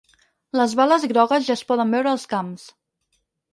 Les bales grogues ja es poden veure als camps.